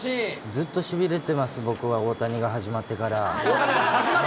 ずっとしびれてます、僕は大始まってから？